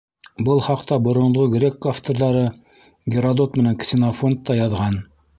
Был хаҡта боронғо грек авторҙары Геродот менән Ксенофонт та яҙған.